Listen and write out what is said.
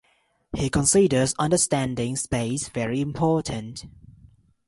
He considers understanding space very important.